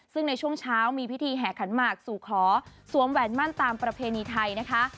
ซึ่งในช่วงเช้ามีพิธีแห่ขันหมากสู่ขอสวมแหวนมั่นตามประเพณีไทยนะคะ